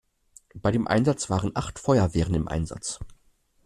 Bei dem Einsatz waren acht Feuerwehren im Einsatz.